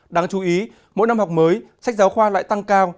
đáng chú ý mỗi năm học mới sách giáo khoa lại tăng cao